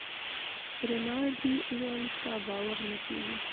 رینالډي وویل ستا باور نه کیږي.